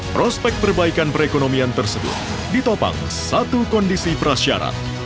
prospek perbaikan perekonomian tersebut ditopang satu kondisi prasyarat